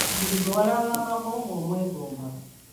Buli gwe walabangako ng’omwegomba!